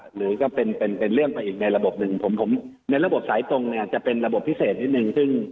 หรือก็เป็นเรื่องไปอีกในระบบหนึ่งผมในระบบสายตรงเนี่ยจะเป็นระบบพิเศษนิดนึง